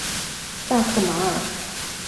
萨克马尔。